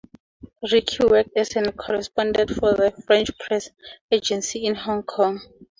Ricky worked as a correspondent for the French Press Agency in Hong Kong.